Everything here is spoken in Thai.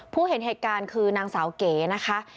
เห็นเหตุการณ์คือนางสาวเก๋นะคะ